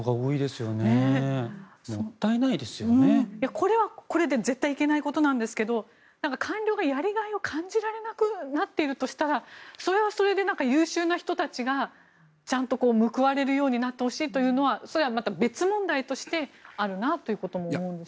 これはこれで絶対にいけないことなんですが官僚がやりがいを感じられなくなっているとしたらそれはそれで優秀な人たちがちゃんと報われるようになってほしいというのはそれはまた別問題としてあるなということも思います。